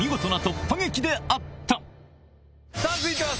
さぁ続いては。